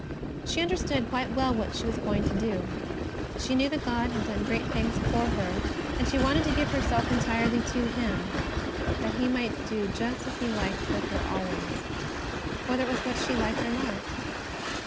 She understood quite well what she was going to do. She knew that God had done great things for her, and she wanted to give herself entirely to Him, that He might do just as He liked with her always, whether it was what she liked or not.